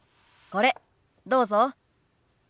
これどうぞ。